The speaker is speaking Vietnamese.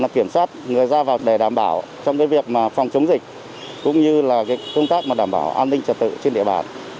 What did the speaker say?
kiểm soát người ra vào để đảm bảo trong việc phòng chống dịch cũng như là công tác đảm bảo an ninh trật tự trên địa bàn